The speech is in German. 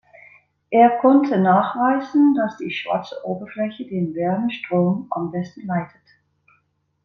Er konnte nachweisen, dass die schwarze Oberfläche den Wärmestrom am besten leitet.